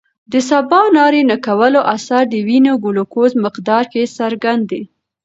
د سباناري نه کولو اثر د وینې ګلوکوز مقدار کې څرګند دی.